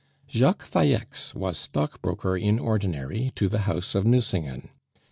Jacques Falleix was stockbroker in ordinary to the house of Nucingen.